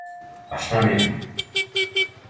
А шта нема?